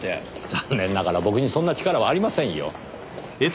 残念ながら僕にそんな力はありませんよ。